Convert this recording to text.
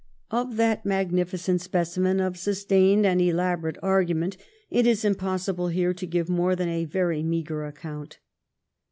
"''^ Of that magnificent specimen of sus tained and elahorate argument it is impossible here to gire more than a very meagre account.